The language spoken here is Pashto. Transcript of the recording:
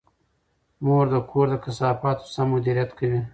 مور د کور د کثافاتو سم مدیریت کوي.